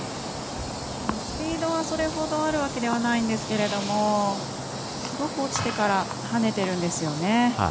スピードはそれほどあるわけではないんですけれどもすごく落ちてから離れてるんですよね。